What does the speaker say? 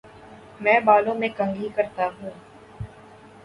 میں بالوں میں کنگھی کرتا ہوں